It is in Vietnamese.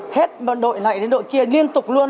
hết đội lại đến đội kia liên tục luôn